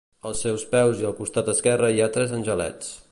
Als seus peus i al costat esquerre hi ha tres angelets.